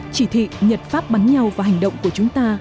chỉ thị nhật pháp bắn nhau và hành động của chúng ta